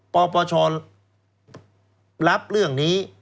ปปชรับเรื่องนี้